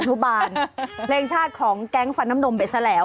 แรงชาติของแก๊งฝันน้ำนมไปซะแล้ว